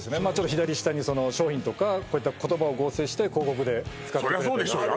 左下に商品とかこういった言葉を合成して広告で使ってそりゃそうでしょう